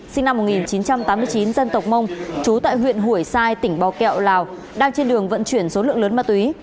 sinh năm một nghìn chín trăm tám mươi chín dân tộc mông chú tại huyện hủi sai tỉnh bò kẹo lào đang trên đường vận chuyển số lượng lớn ma túy